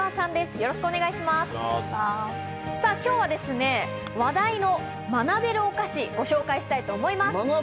今日は話題のまなべるお菓子、ご紹介したいと思います。